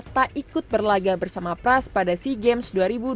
tak ikut berlaga bersama pras pada sea games dua ribu dua puluh